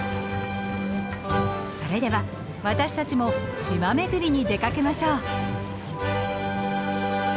それでは私たちも島巡りに出かけましょう。